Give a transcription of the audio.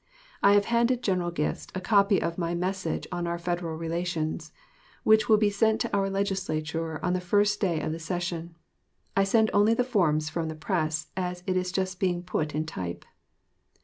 I have handed General Gist a copy of my message on our Federal relations, which will be sent to our Legislature on the first day of the session. I send only the forms from the press as it is just being put in type.